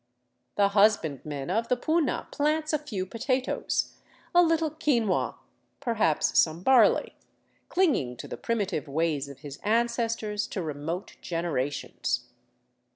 The husbandman of the puna plants a few potatoes, a little quinoa, perhaps some barley, clinging to the primitive ways of his ancestors to remote generations.